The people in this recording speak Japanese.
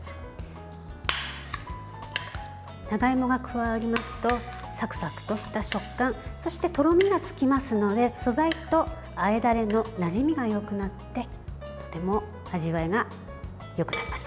長芋が加わりますとサクサクとした食感そして、とろみがつきますので素材と、あえダレのなじみがよくなってとても味わいがよくなります。